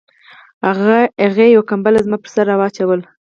هغې یوه کمپله زما په سر را واچوله